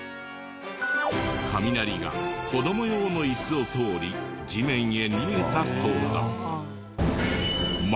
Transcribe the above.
雷が子供用の椅子を通り地面へ逃げたそうだ。